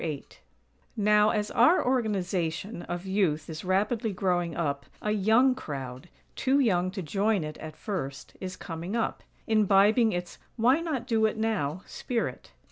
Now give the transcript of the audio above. VIII Now, as our Organization of Youth is rapidly growing up, a young crowd, too young to join it at first, is coming up; imbibing its "why not do it now?" spirit.